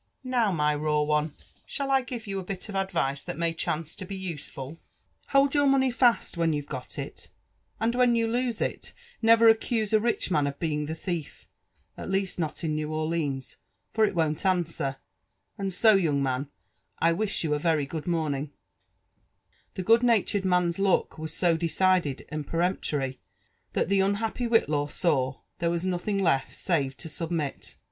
Now, my raw one, shall I give you a bit of advice Ibat ipay chance to be useful? Bold your money fast, when J0NATR4N JBFFI880N WHITE/AW. IM yoB^re got if; and when yoa lose it, ne^er ftceuse a Hch mao of being the \h\et*^ ^ least not in New Orlines — for it won't answer. And so^ young man, I wish you a very good morning/' The good natured man'a look was so decided and peremptory, that the unhappy Whitlaw saw there was nothing left «ave to submit.